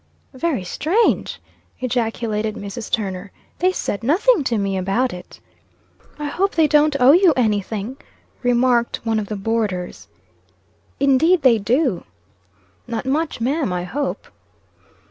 "Very strange!" ejaculated Mrs. Turner. "They said nothing to me about it." "I hope they don't owe you any thing," remarked one of the boarders. "Indeed, they do." "Not much, ma'am; I hope."